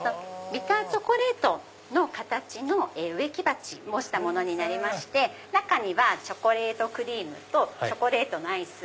ビターチョコレートの形の植木鉢模したものになりまして中にはチョコレートクリームとチョコレートのアイス